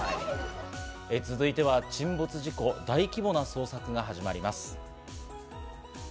続いては沈没事故、大規模な捜索が始まります。